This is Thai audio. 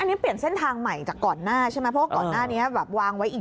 อันนี้เปลี่ยนเส้นทางใหม่จากก่อนหน้าใช่ไหม